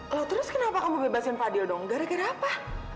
kalau terus kenapa kamu bebasin fadil dong gara gara apa